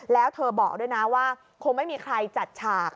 แล้วเธอบอกด้วยนะว่าคงไม่มีใครจัดฉาก